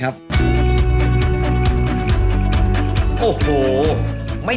ก็บักกว่าก็ดีแล้ว